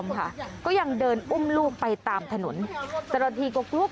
โปรดติดตามต่อไป